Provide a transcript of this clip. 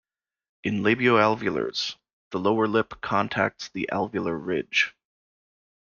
In labioalveolars, the lower lip contacts the alveolar ridge.